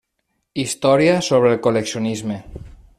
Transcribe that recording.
Història sobre el col·leccionisme.